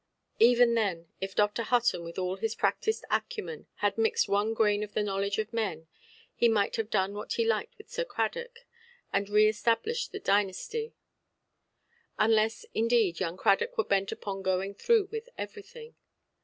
Even then, if Dr. Hutton, with all his practised acumen, had mixed one grain of the knowledge of men, he might have done what he liked with Sir Cradock, and re–established the dynasty; unless, indeed, young Cradock were bent upon going through with everything.